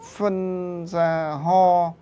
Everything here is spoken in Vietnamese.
phân ra ho